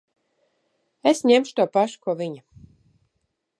Es ņemšu to pašu, ko viņa.